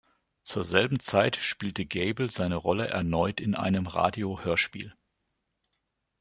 Zur selben Zeit spielte Gable seine Rolle erneut in einem Radiohörspiel.